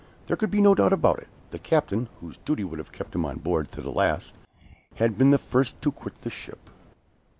There could be no doubt about it. The captain, whose duty would have kept him on board to the last, had been the first to quit the ship.